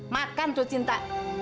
makan tuh cinta